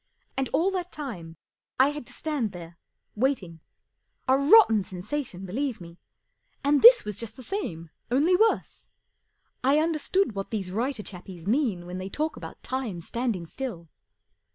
And all that time I had to stand there, waiting. A rotten sensation, believe me, and this was just the same, only worse. I understood what these writer chappies mean when they talk about time standing still.